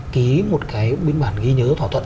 ký một cái biên bản ghi nhớ thỏa thuận